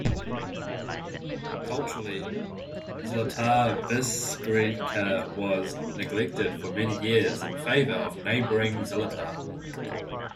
Culturally, Zlatar Bistrica was neglected for many years in favour of neighbouring Zlatar.